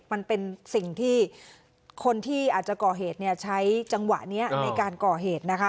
มันเป็นสิ่งที่คนที่อาจจะก่อเหตุใช้จังหวะนี้ในการก่อเหตุนะคะ